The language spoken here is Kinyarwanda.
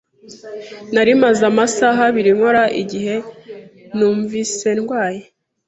Nari maze amasaha abiri nkora igihe numvise ndwaye.